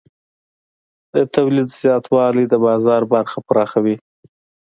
د تولید زیاتوالی د بازار برخه پراخوي.